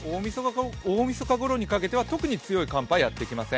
大みそか頃にかけては特に強い寒波はやってきません。